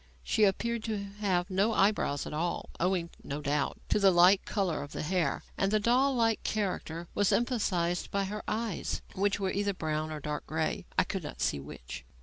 She appeared to have no eyebrows at all owing, no doubt, to the light colour of the hair and the doll like character was emphasized by her eyes, which were either brown or dark grey, I could not see which.